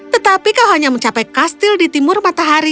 tetapi kau hanya mencapai kastil di timur matahari